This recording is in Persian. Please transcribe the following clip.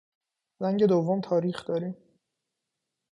زنگ دوم تاریخ داریم.